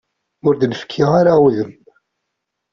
Ur d-nefki ara udem.